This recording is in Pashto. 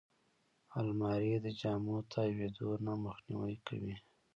الماري د جامو تاویدو نه مخنیوی کوي